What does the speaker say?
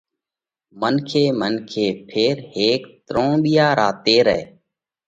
منکي منکي ڦيرهيڪ ترونٻِيا را تيرئہ،